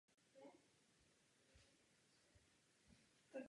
Někteří z nich se budou muset přestěhovat do jiných oblastí.